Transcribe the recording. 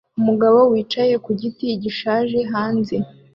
Umugabo wicaye ku giti gishaje hanze